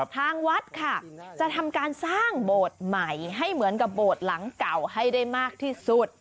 ทางวัดค่ะจะทำการสร้างโบสถ์ใหม่ให้เหมือนกับโบสถ์หลังเก่าให้ได้มากที่สุด